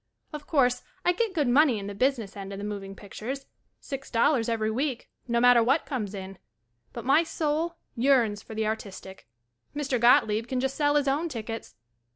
Of course, I get good money in the busi ness end of the moving pictures (six dollars every week, no matter what comes in), but my soul yearns for the artistic. Mr. Got licb can just sell his own tickets.